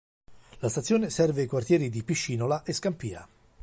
La stazione serve i quartieri di Piscinola e Scampia.